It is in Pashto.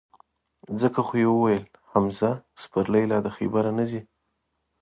ځکه خو یې ویل چې: حمزه سپرلی لا د خیبره نه ځي.